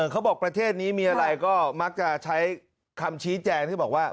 ประเทศนี้มีอะไรก็มักจะใช้คำชี้แจงที่บอกว่า